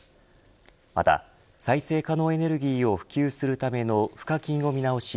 また再生可能エネルギーを普及するための賦課金を見直し